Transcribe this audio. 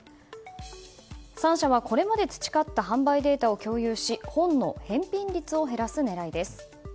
３社は、これまで培った販売データを共有し本の返品率を減らす狙いです。